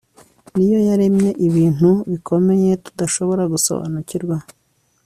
ni yo yaremye ibintu bikomeye, tudashobora gusobanukirwa